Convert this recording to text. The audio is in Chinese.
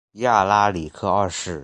亚拉里克二世。